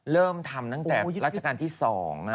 เริ่มทำตั้งแต่รัชกาลที่๒